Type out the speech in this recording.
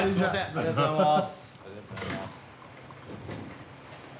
ありがとうございます。